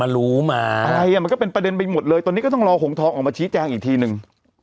รู้มาอะไรอ่ะมันก็เป็นประเด็นไปหมดเลยตอนนี้ก็ต้องรอหงทองออกมาชี้แจงอีกทีนึง